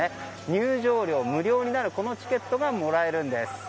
入場料無料になるチケットがもらえるんです。